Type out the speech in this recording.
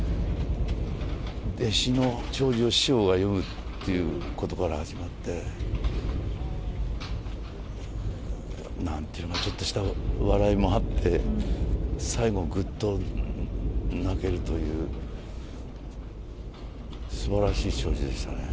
弟子の弔辞を師匠が読むっていうことから始まって、なんていうか、ちょっとした笑いもあって、最後、ぐっと泣けるというすばらしい弔辞でしたね。